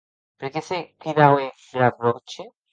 Per qué se cridaue Gravroche?